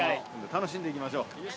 楽しんでいきましょう。